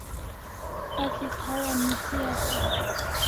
Asi thara nisi asaw